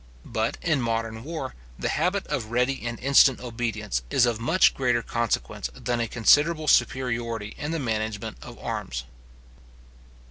But, in modern war, the habit of ready and instant obedience is of much greater consequence than a considerable superiority in the management of arms.